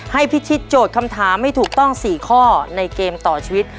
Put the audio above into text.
พิชิตโจทย์คำถามให้ถูกต้อง๔ข้อในเกมต่อชีวิต